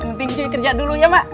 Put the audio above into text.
penting njoi kerja dulu ya mak